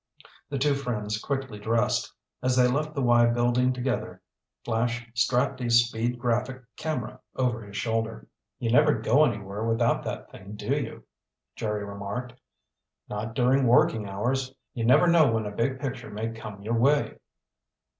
The two friends quickly dressed. As they left the "Y" building together, Flash strapped a Speed Graphic camera over his shoulder. "You never go anywhere without that thing, do you?" Jerry remarked. "Not during working hours. You never know when a big picture may come your way."